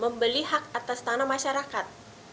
membeli hak atas tanah masyarakat